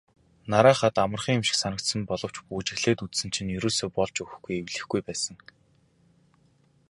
Hарахад амархан юм шиг санагдсан боловч бүжиглээд үзсэн чинь ерөөсөө болж өгөхгүй эвлэхгүй байсан.